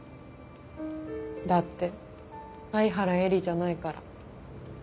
だって愛原絵理じゃないから。